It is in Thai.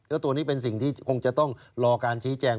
แล้วตัวนี้เป็นสิ่งที่คงจะต้องรอการชี้แจง